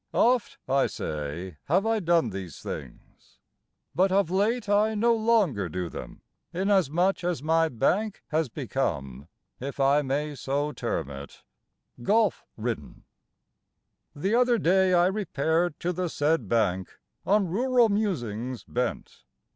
Oft, I say, have I done these things; But of late I no longer do them, Inasmuch as my bank Has become (if I may so term it) Golf ridden. The other day I repaired to the said bank On rural musings bent.